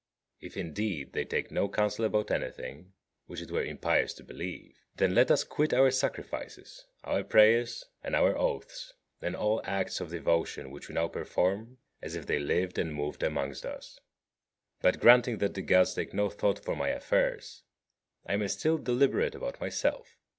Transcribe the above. If, indeed, they take no counsel about anything (which it were impious to believe), then let us quit our sacrifices, our prayers, and our oaths, and all acts of devotion which we now perform as if they lived and moved amongst us. But, granting that the Gods take no thought for my affairs, I may still deliberate about myself.